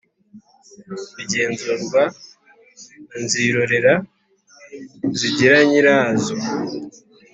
bigenzurwa na nzirorera zigiranyirazo